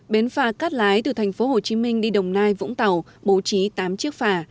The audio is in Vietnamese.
bến phà cắt lái từ tp hcm đi đồng nai vũng tàu bố trí tám chiếc phà